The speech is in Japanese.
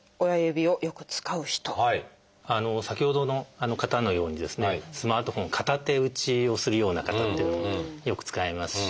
まず先ほどの方のようにですねスマートフォン片手打ちをするような方っていうのもよく使いますし。